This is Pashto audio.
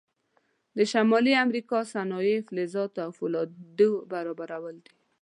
د شمالي امریکا صنایع فلزاتو او فولادو برابرول دي.